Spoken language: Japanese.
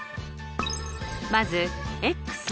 まず。